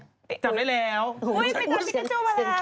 จำได้แล้ว